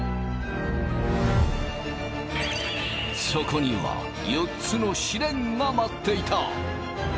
そこには４つの試練が待っていた！